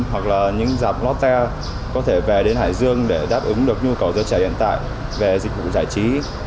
hoặc là những dạp lotte có thể về đến hải dương để đáp ứng được nhu cầu cho trẻ hiện tại về dịch vụ giải trí